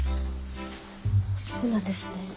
そうなんですね。